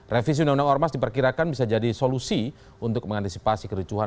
revisi undang undang ormas diperkirakan bisa jadi solusi untuk mengantisipasi kericuhan